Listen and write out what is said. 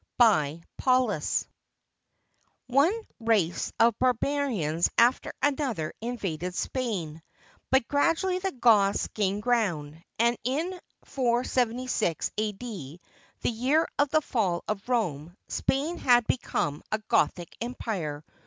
] BY PAULUS [One race of barbarians after another invaded Spain, but gradually the Goths gained ground, and in 476 A.D., the year of the fall of Rome, Spain had become a Gothic empire.